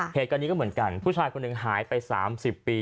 เหตุการณ์นี้ก็เหมือนกันผู้ชายคนหนึ่งหายไป๓๐ปี